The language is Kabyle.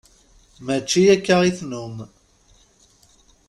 Mačči akka i tennum.